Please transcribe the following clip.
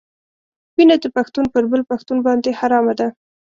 وینه د پښتون پر بل پښتون باندې حرامه ده.